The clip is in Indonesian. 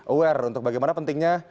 aware untuk bagaimana pentingnya